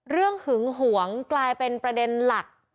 หึงหวงกลายเป็นประเด็นหลัก